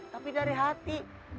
tapi dari hati